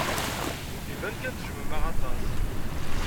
Iban kan tejjmem-aɣ aṭas.